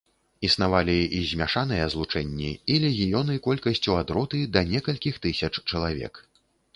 Існавалі і змяшаныя злучэнні і легіёны колькасцю ад роты да некалькіх тысяч чалавек.